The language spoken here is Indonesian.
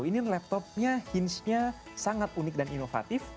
ini laptopnya hinge nya sangat unik dan inovatif